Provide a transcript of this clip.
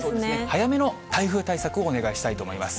早めの台風対策をお願いしたいと思います。